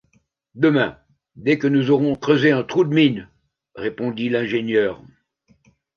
Demain, dès que nous aurons creusé un trou de mine, » répondit l’ingénieur.